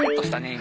今。